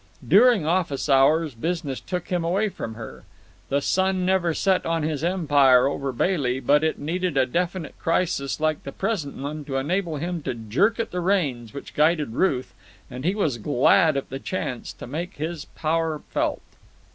During office hours business took him away from her. The sun never set on his empire over Bailey, but it needed a definite crisis like the present one to enable him to jerk at the reins which guided Ruth, and he was glad of the chance to make his power felt.